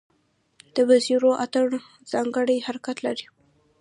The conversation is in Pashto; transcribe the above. د وزیرو اتن ځانګړی حرکت لري.